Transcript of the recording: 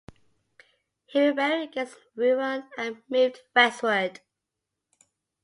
He rebelled against Rouran and moved westward.